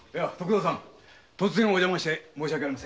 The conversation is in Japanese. あ徳田さん突然お邪魔して。